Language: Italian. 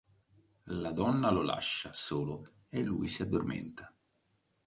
La donna lo lascia solo e lui si addormenta.